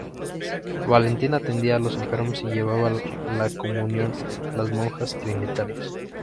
Valentín atendía a los enfermos y llevaba la comunión a las monjas trinitarias.